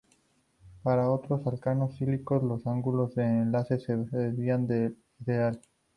Para otros alcanos cíclicos, los ángulos de enlace se desvían del ideal.